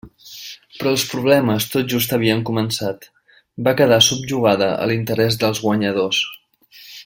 Però els problemes tot just havien començat: va quedar subjugada a l'interès dels guanyadors.